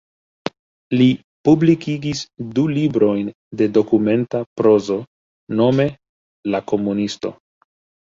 Li publikigis du librojn de dokumenta prozo, nome "La Komunisto".